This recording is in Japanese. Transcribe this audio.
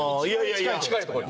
一番近いとこに。